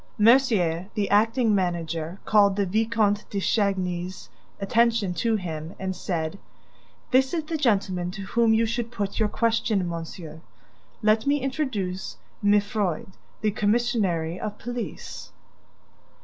Mercier, the acting manager, called the Vicomte de Chagny's attention to him and said: "This is the gentleman to whom you should put your question, monsieur. Let me introduce Mifroid, the commissary of police."